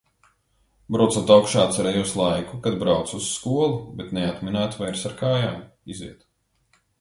Braucot augšā, atcerējos laiku, kad braucu uz skolu, bet neatminētu vairs ar kājām iziet.